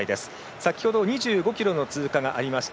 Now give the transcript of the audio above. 先ほど２５ｋｍの通過がありました。